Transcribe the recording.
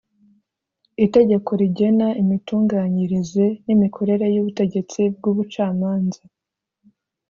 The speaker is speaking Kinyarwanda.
Itegeko rigena imitunganyirize n imikorere y Ubutegetsi bw Ubucamanza